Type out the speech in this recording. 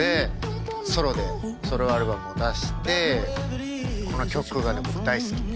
ソロでソロアルバムを出してこの曲が僕大好きで。